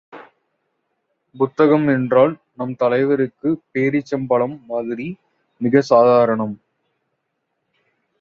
புத்தகம் என்றால் நம் தலைவருக்குப் பேரீச்சம் பழம் மாதிரி மிகச் சாதாரணம்!